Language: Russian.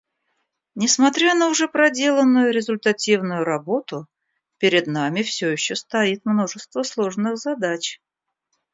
Несмотря на уже проделанную результативную работу, перед нами все еще стоит множество сложных задач.